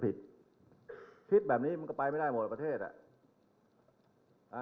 ผิดพิษแบบนี้มันก็ไปไม่ได้ออกประเทศอ่ะ